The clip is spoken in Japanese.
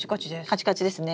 カチカチですね。